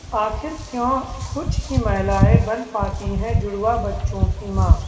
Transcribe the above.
आखिर क्यों कुछ ही महिलाएं बन पाती हैं जुड़वा बच्चों की मां?